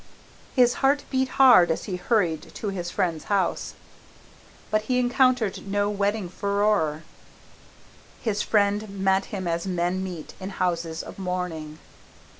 His heart beat hard as he hurried to his friend's house. But he encountered no wedding furore. His friend met him as men meet in houses of mourning.